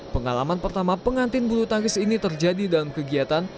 pengalaman pertama pengantin bulu tangkis ini terjadi dalam kegiatan